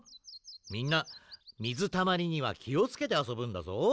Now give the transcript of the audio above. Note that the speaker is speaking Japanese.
みんなみずたまりにはきをつけてあそぶんだぞ。